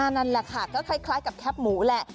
นั่นแหละค่ะก็คล้ายกับแคปหมูแหละ